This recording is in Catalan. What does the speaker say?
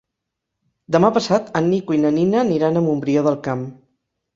Demà passat en Nico i na Nina aniran a Montbrió del Camp.